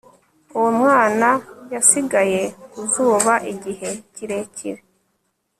Uwo mwana yasigaye ku zuba igihe kirekire